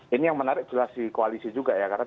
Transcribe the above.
ini yang menarik jelas di koalisi juga ya